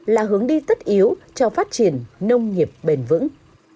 là hướng đi tất yếu cho phát triển nông nghiệp bền vững